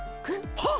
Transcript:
はっ！